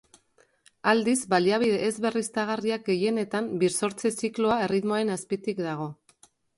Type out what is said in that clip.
Aldiz, baliabide ez berriztagarriak gehienetan birsortze zikloa erritmoaren azpitik dago.